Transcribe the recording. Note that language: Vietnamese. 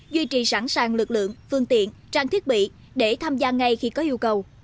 duy trì sẵn sàng lực lượng phương tiện trang thiết bị để tham gia ngay khi có yêu cầu